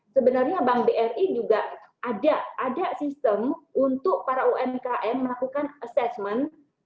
sebenarnya bank bri juga ada sistem untuk para umkm melakukan assessment